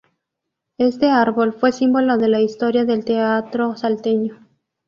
Este árbol, fue símbolo de la historia del Teatro Salteño.